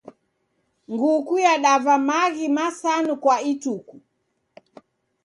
Nguku yadava maghi masanu kwa ituku.